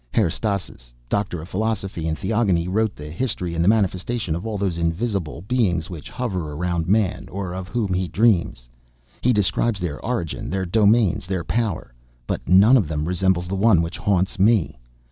Herestauss, Doctor of Philosophy and Theogony, wrote the history and the manifestation of all those invisible beings which hover around man, or of whom he dreams. He describes their origin, their domains, their power; but none of them resembles the one which haunts me.